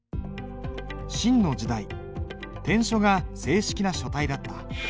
秦の時代篆書が正式な書体だった。